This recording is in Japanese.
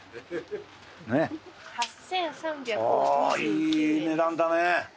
いい値段だね。